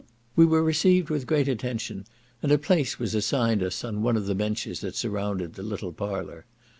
We were received with great attention, and a place was assigned us on one of the benches that surrounded the little parlour.